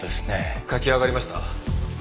書き上がりました。